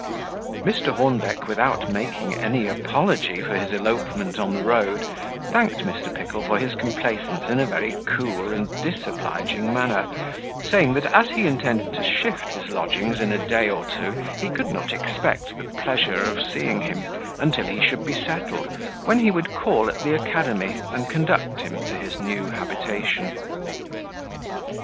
Mr. Hornbeck, without making any apology for his elopement on the road, thanked Mr. Pickle for his complaisance in a very cool and disobliging manner; saying that as he intended to shift his lodgings in a day or two, he could not expect the pleasure of seeing him, until he should be settled, when he would call at the academy, and conduct him to his new habitation.